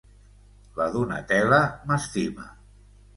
La Donatella m'estima.